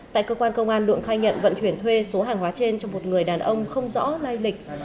tại cơ quan công an lượng khai nhận vận chuyển thuê số hàng hóa trên cho một người đàn ông không rõ lai lịch